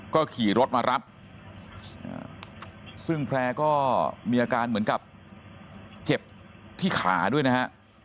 ก็ขี่รถมารับซึ่งแพร่ก็มีอาการเหมือนกับเจ็บที่ขาด้วยนะฮะ